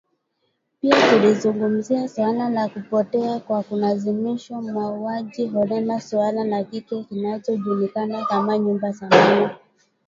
Pia tulizungumzia suala la kupotea kwa kulazimishwa, mauaji holela, suala la kile kinachojulikana kama nyumba salama.